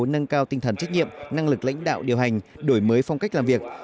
nâng cao tinh thần trách nhiệm năng lực lãnh đạo điều hành đổi mới phong cách làm việc